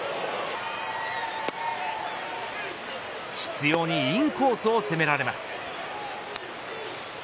執拗にインコースを攻められます。